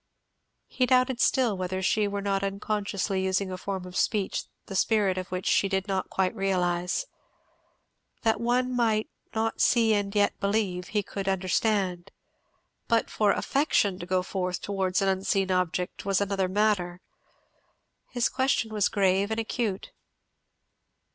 He doubted still whether she were not unconsciously using a form of speech the spirit of which she did not quite realize. That one might "not see and yet believe," he could understand; but for affection to go forth towards an unseen object was another matter. His question was grave and acute.